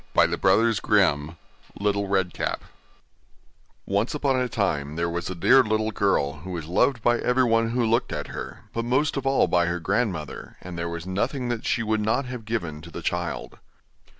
LITTLE RED CAP [LITTLE RED RIDING HOOD] Once upon a time there was a dear little girl who was loved by everyone who looked at her, but most of all by her grandmother, and there was nothing that she would not have given to the child.